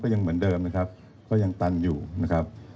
ยังเหมือนเดิมนะครับก็ยังตันอยู่นะครับ